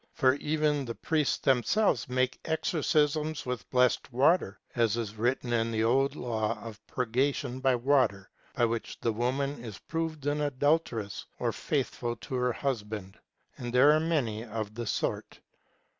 For even the priests themselves make exor cisms with blessed water, as is written in the old law of purga tion by water, by which a woman is proved an adulteress or faithful to her husband; and there are many of the sort.